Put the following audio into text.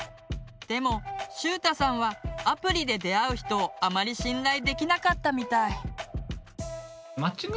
でもしゅうたさんはアプリで出会う人をあまり信頼できなかったみたい。